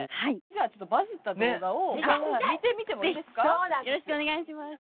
じゃあちょっとバズった動画を見てみてもいいですか？